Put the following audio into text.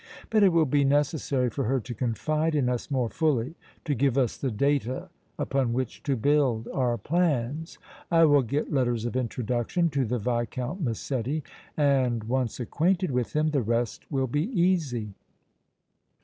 But it will be necessary for her to confide in us more fully, to give us the data upon which to build our plans. I will get letters of introduction to the Viscount Massetti and, once acquainted with him, the rest will be easy."